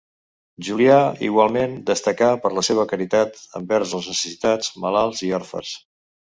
Julià, igualment, destacà per la seva caritat envers els necessitats, malalts i orfes.